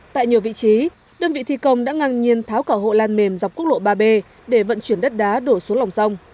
tại nhiều vị trí đơn vị thi công đã ngang nhiên tháo cả hộ lan mềm dọc quốc lộ ba b để vận chuyển đất đá đổ xuống lòng sông